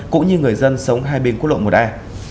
cũng như người dân sống hai bên quốc lộ một a